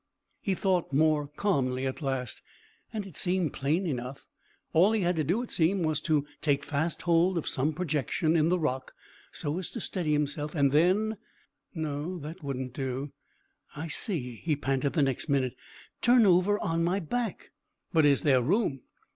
He thought more calmly at last, and it seemed plain enough. All he had to do, it seemed, was to take fast hold of some projection in the rock, so as to steady himself, and then No, that wouldn't do. "I see," he panted the next minute. "Turn over on my back. But is there room?"